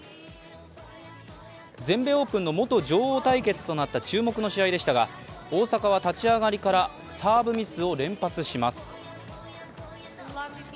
全米オープンの元女王対決となった注目の試合でしたが大坂は立ち上がりからサーブミスを連発します。